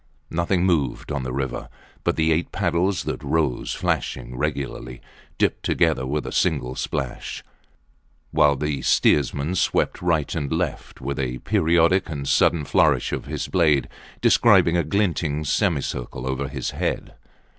Nothing moved on the river but the eight paddles that rose flashing regularly, dipped together with a single splash; while the steersman swept right and left with a periodic and sudden flourish of his blade describing a glinting semicircle above his head.